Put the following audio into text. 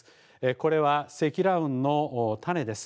これは積乱雲の種です。